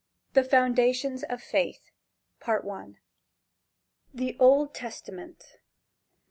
THE FOUNDATIONS OF FAITH. I. THE OLD TESTAMENT.